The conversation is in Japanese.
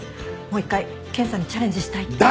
もう一回検査にチャレンジしたいって。